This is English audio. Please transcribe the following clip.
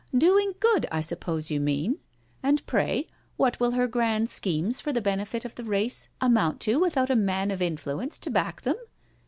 *' Doing good, I suppose you mean? And pray» what will her grand schemes for the benefit of the race amount to without a man of influence to back them?